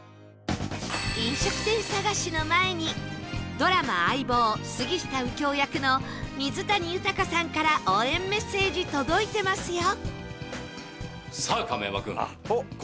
飲食店探しの前にドラマ『相棒』杉下右京役の水谷豊さんから応援メッセージ届いてますよ！